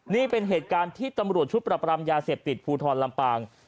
นี่เป็นเหตุการณ์ที่ตำรวจชุดปรับปรามยาเสพติดภูทรลำปาง